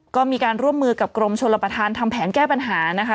ก็มีการร่วมมือกับกรมชลประธานทำแผนแก้ปัญหานะคะ